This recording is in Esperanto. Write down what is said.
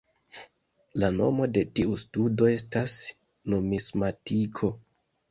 La nomo de tiu studo estas numismatiko.